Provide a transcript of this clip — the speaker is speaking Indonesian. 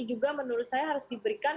juga menurut saya harus diberikan